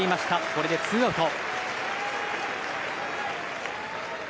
これでツーアウト。